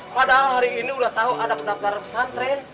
padahal hari ini udah tau ada pendaftar pesantren